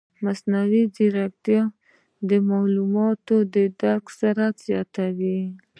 مصنوعي ځیرکتیا د معلوماتو د درک سرعت زیاتوي.